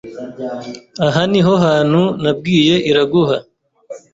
Aha niho hantu nabwiye Iraguha.